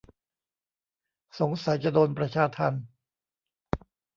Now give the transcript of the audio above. สงสัยจะโดนประชาทัณฑ์